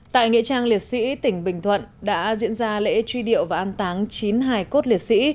tại nghĩa trang liệt sĩ tỉnh bình thuận đã diễn ra lễ truy điệu và an táng chín hài cốt liệt sĩ